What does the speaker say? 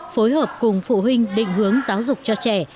phối hợp cùng phụ huynh định hướng giáo dục cho trẻ